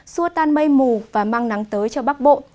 xua tan mây mù và mang nắng tới cho bắc bộ